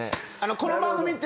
この番組って。